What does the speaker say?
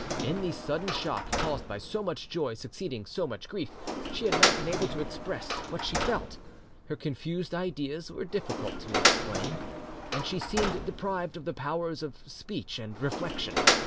In the sudden shock caused by so much joy succeeding so much grief, she had not been able to express what she felt; her confused ideas were difficult to explain, and she seemed deprived of the powers of speech and reflection.